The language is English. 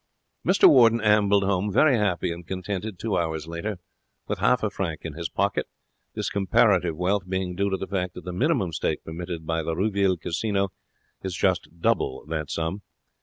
Mr Warden ambled home, very happy and contented, two hours later, with half a franc in his pocket, this comparative wealth being due to the fact that the minimum stake permitted by the Roville casino is just double that sum.